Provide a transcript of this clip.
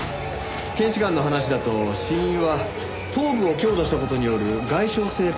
検視官の話だと死因は頭部を強打した事による外傷性くも膜下出血。